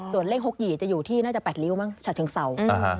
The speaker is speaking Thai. ส่วนเล่งหกหยีจะอยู่ที่น่าจะแปดริ้วมั้งชัดถึงเศร้า